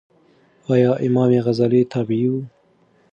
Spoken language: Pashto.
ایا امام غزالې تابعې وه؟